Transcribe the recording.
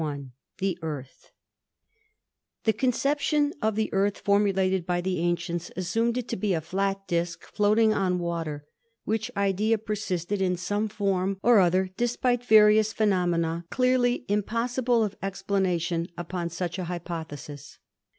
CHAPTER XIII THE EARTH The conception of the Earth formulated by the ancients assumed it to be a flat disk floating on water, which idea persisted in some form or other despite various phe nomena clearly impossible of explanation upon such a hypothesis.